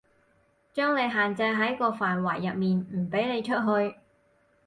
將你限制喺個範圍入面，唔畀你出去